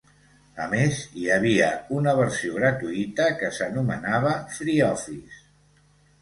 A més, hi havia una versió gratuïta que s'anomenava FreeOffice.